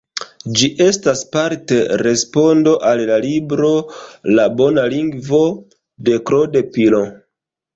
Ĝi estas parte respondo al la libro "La Bona Lingvo", de Claude Piron.